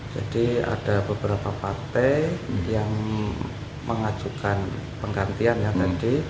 jadi ada beberapa partai yang mengajukan penggantiannya tadi